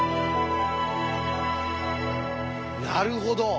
なるほど！